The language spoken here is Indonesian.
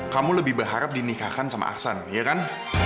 kamu lebih berharap dinikahkan sama aksen iya kan